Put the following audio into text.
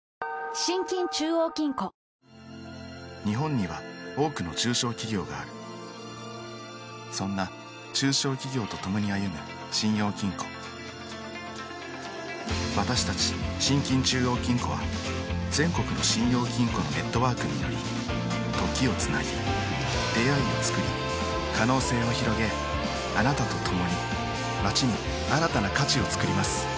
日本には多くの中小企業があるそんな中小企業とともに歩む信用金庫私たち信金中央金庫は全国の信用金庫のネットワークにより時をつなぎ出会いをつくり可能性をひろげあなたとともに街に新たな価値をつくります